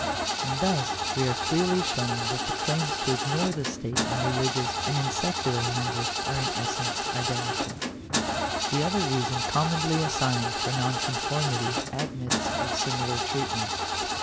And thus we are clearly shown that the claims to ignore the state in religious and in secular matters are in essence identical. The other reason commonly assigned for nonconformity, admits of similar treatment.